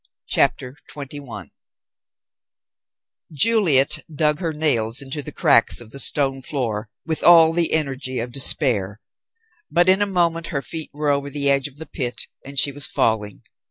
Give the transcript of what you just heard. CHAPTER XXI Juliet dug her nails into the cracks of the stone floor with all the energy of despair, but in a moment her feet were over the edge of the pit and she was falling.